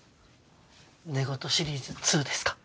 寝言シリーズ２ですか。